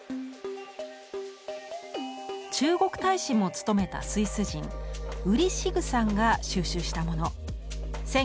中国大使も務めたスイス人ウリ・シグさんが収集したもの。